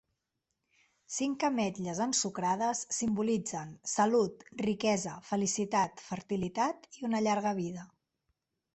Cinc ametlles ensucrades simbolitzen salut, riquesa, felicitat, fertilitat i una llarga vida.